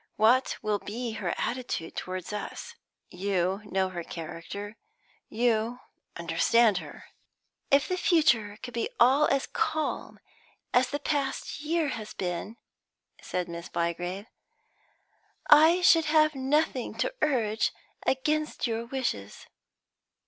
What will be her attitude towards us? You know her character you understand her." "If the future could be all as calm as the past year has been," said Miss Bygrave, "I should have nothing to urge against your wishes."